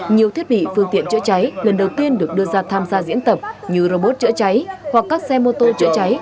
nhiều thiết bị phương tiện chữa cháy lần đầu tiên được đưa ra tham gia diễn tập như robot chữa cháy hoặc các xe mô tô chữa cháy